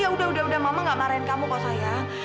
udah udah udah mama nggak marahin kamu kok sayang